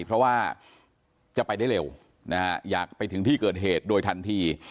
เพราะว่าจะไปได้เร็วนะฮะอยากไปถึงที่เกิดเหตุโดยทันที